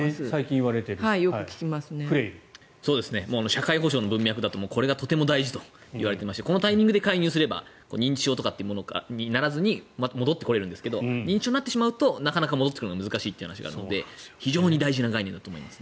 社会保障の文脈だとこれがとても大事といわれていましてこのタイミングで介入すれば認知症というものにならずに戻ってこれるんですけど認知症になってしまうと戻ってくるのが難しくなってしまうので非常に大事な概念だと思います。